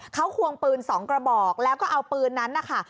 เขาควงปืน๒กระบอกแล้วก็เอาปืนนั้นนะคะ